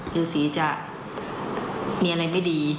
หรือสิจะมีอะไรไม่ดี